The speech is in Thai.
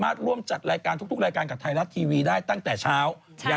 ร่วมจัดรายการทุกรายการกับไทยรัฐทีวีได้ตั้งแต่เช้ายันดึกเลยนะฮะ